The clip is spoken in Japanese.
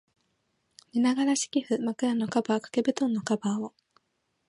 寝ながら、敷布、枕のカバー、掛け蒲団のカバーを、